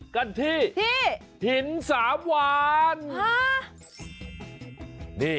กันที่หินสามวาน